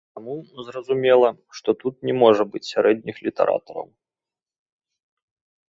Таму, зразумела, што тут не можа быць сярэдніх літаратараў.